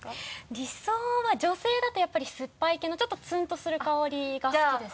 理想は女性だとやっぱり酸っぱい系のちょっとツンとする香りが好きです。